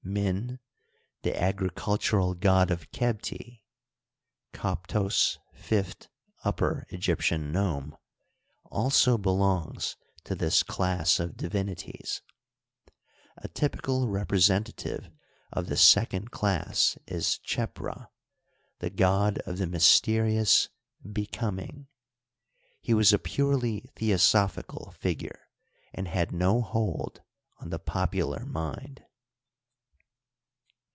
Min, the agricultural god of Qebti (Coptos, fifth Upper Egyptian nome), also belongs to this class of divinities. A typical representative of the second class is Ckepra, the god of the mysterious Becoming; he was a purely theosophical figure, and had no hold on the popular mind.